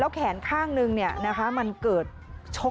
แล้วแขนข้างหนึ่งมันเกิดชก